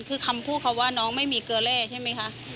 คือคำพูดเขาว่าน้องไม่มีเกลือเล่ใช่ไหมคะ